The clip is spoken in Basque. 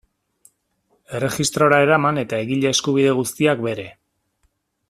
Erregistrora eraman eta egile eskubide guztiak bere.